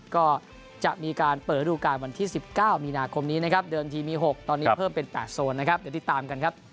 ก็จะมีการเปิดฤดูการวันที่๑๙มีนาคมนี้นะครับเดิมทีมี๖ตอนนี้เพิ่มเป็น๘โซนนะครับเดี๋ยวติดตามกันครับ